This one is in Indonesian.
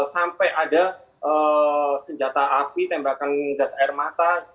sampai ada senjata api tembakan gas air mata